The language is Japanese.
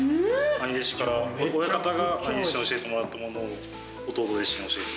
兄弟子から親方が兄弟子に教えたものを弟弟子に教えて。